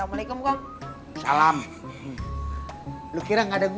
kayanya kalau dalam api apa saja menurutmu ya kita akan berj dijaga